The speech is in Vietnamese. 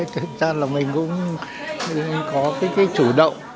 thực ra là mình cũng có cái chủ động